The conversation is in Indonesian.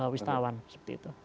wisatawan seperti itu